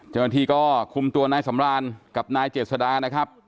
เจริญฐีก็คุมตัวนายสัมรรท์กับนายเจสดานะครับ